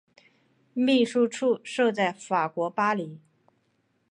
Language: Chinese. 秘书处设在法国巴黎。